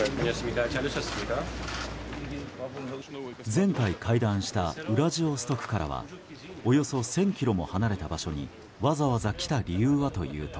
前回会談したウラジオストクからはおよそ１０００ｋｍも離れた場所にわざわざ来た理由はというと